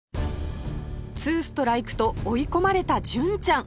２ストライクと追い込まれた純ちゃん